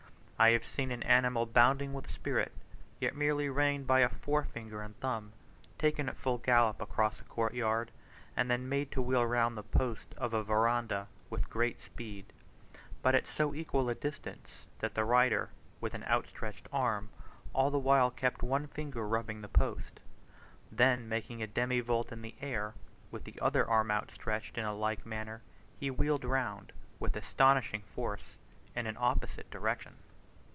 I have seen an animal bounding with spirit, yet merely reined by a fore finger and thumb, taken at full gallop across a courtyard, and then made to wheel round the post of a veranda with great speed, but at so equal a distance, that the rider, with outstretched arm, all the while kept one finger rubbing the post. Then making a demi volte in the air, with the other arm outstretched in a like manner, he wheeled round, with astonishing force, in an opposite direction.